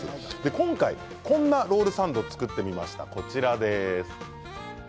今回、こんなロールサンドを作ってみました。